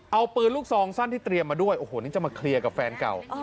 เอาปืนลูกซองสั้นที่เตรียมมาด้วยโอ้โหนี่จะมาเคลียร์กับแฟนเก่า